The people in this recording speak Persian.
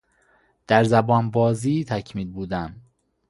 در زبان بازی تکمیل بودن